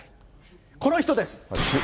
この人です。